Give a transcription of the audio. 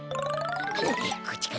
こっちか？